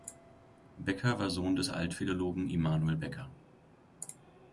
Bekker war Sohn des Altphilologen Immanuel Bekker.